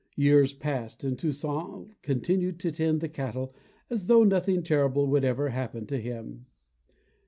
Years passed, and Toussaint continued to tend the cattle as though nothing terrible would ever happen to him.